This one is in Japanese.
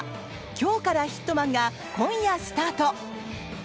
「今日からヒットマン」が今夜スタート！